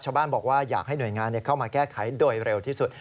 ชาวบ้านบอกว่าอยากให้หน่วยงานเข้ามาแก้ไขโดยเร็วที่สุด